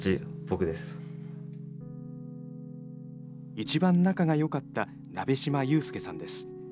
一番仲がよかった鍋島悠輔さんです。